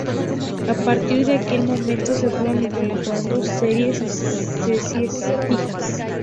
A partir de aquel momento, se fueron incorporando series y secciones fijas.